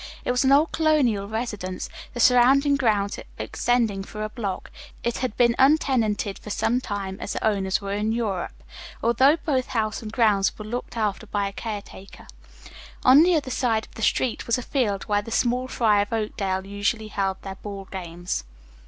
It was an old colonial residence, the surrounding grounds extending for a block. It had been untenanted for some time, as the owners were in Europe, although both house and grounds were looked after by a care taker. On the other side of the street was a field where the small fry of Oakdale usually held their ball games.